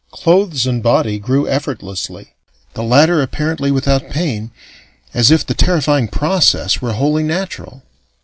Clothes and body grew effortlessly, the latter apparently without pain, as if the terrifying process were wholly natural.